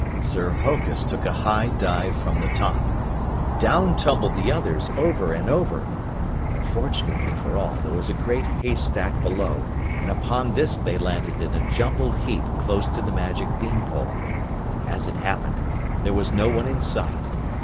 Sir Hokus took a high dive from the top. Down tumbled the others, over and over. But fortunately for all, there was a great haystack below, and upon this they landed in a jumbled heap close to the magic bean pole. As it happened, there was no one in sight.